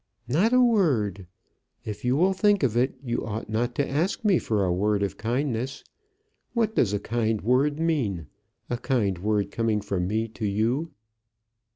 "Not a word. If you will think of it, you ought not to ask me for a word of kindness. What does a kind word mean a kind word coming from me to you?